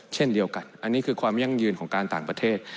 เช่นเดียวกันอันนี้คือความยั่งยืนของการต่างประเทศ